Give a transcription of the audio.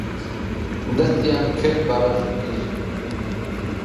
دەستیان کرد بە ڕەشبگیر